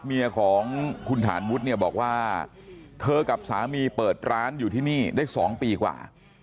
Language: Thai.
เมียของคุณฐานวุฒิเนี่ยบอกว่าเธอกับสามีเปิดร้านอยู่ที่นี่ได้๒ปีกว่า